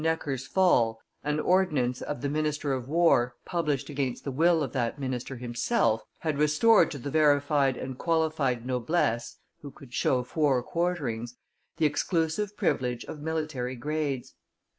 Necker's fall, an ordinance of the minister of war, published against the will of that minister himself, had restored to the verified and qualified noblesse (who could show four quarterings) the exclusive privilege of military grades.